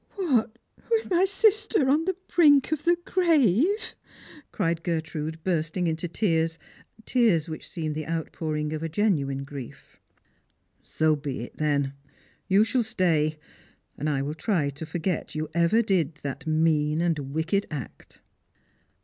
" What, with my sister on the brink of the grave ?" cried Gertrude, bursting into tears — tears which seemed the outpour ing of a genuine grief. " So be it then. You shall stay, and I will try to forget you ever did that mean and wicked act."